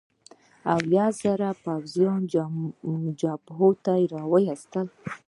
اویا زره پوځیان جبهو ته واستول.